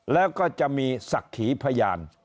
แล้วก็จะมีศักดิ์ขีพยาน